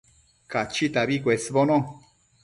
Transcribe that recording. Cachitabi cuesbono